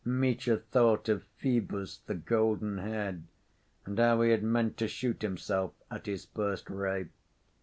Mitya thought of "Phœbus the golden‐haired," and how he had meant to shoot himself at his first ray.